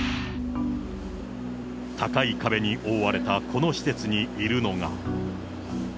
高い壁に覆われたこの施設にいるのが。